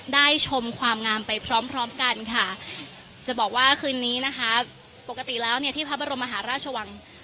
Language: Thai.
ชมความงามไปพร้อมพร้อมกันค่ะจะบอกว่าคืนนี้นะคะปกติแล้วเนี่ยที่พระบรมมหาราชวัง